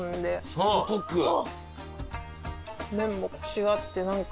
麺もコシがあってなんか。